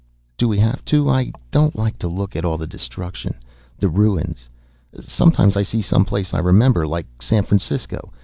Do we have to? I don't like to look at all the destruction, the ruins. Sometimes I see some place I remember, like San Francisco.